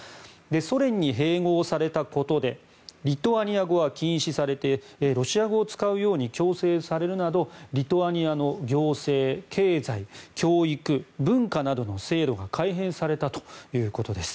ソ連に併合されたことでリトアニア語は禁止されてロシア語を使うように強制されるなどリトアニアの行政、経済教育、文化などの制度が改変されたということです。